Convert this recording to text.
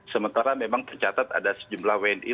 sementara memang tercatat ada sejumlah wni